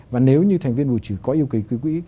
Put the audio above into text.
và nếu như thành viên vụ trừ có yêu ký ký quỹ